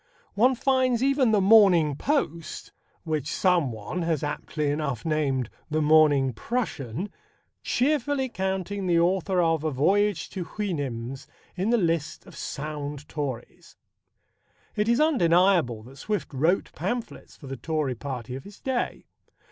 One finds even the Morning Post which someone has aptly enough named the Morning Prussian cheerfully counting the author of A Voyage to Houyhnhnms in the list of sound Tories. It is undeniable that Swift wrote pamphlets for the Tory Party of his day.